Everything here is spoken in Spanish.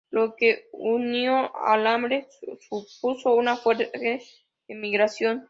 Lo que unido al hambre supuso una fuerte emigración.